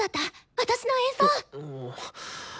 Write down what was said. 私の演奏！